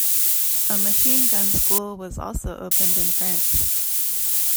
A machine gun school was also opened in France.